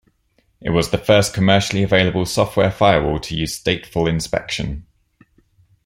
It was the first commercially available software firewall to use stateful inspection.